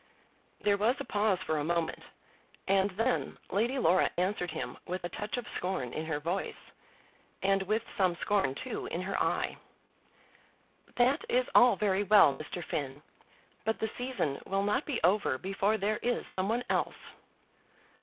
There was a pause for a moment, and then Lady Laura answered him with a touch of scorn in her voice, and with some scorn, too, in her eye: "That is all very well, Mr. Finn; but the season will not be over before there is some one else."